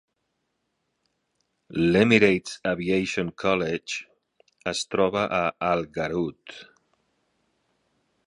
L'"Emirates Aviation College" es troba a Al Garhoud.